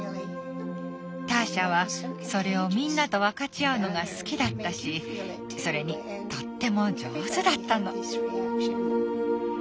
ターシャはそれをみんなと分かち合うのが好きだったしそれにとっても上手だったの。